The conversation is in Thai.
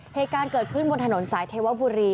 เหตุการณ์เกิดขึ้นบนถนนสายเทวบุรี